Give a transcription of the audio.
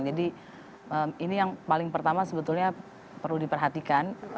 jadi ini yang paling pertama sebetulnya perlu diperhatikan